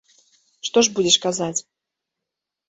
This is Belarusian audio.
Што ж будзеш казаць?